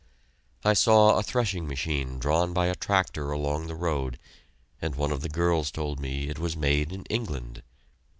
I saw a threshing machine drawn by a tractor going along the road, and one of the girls told me it was made in England.